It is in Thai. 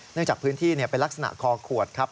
จากพื้นที่เป็นลักษณะคอขวดครับ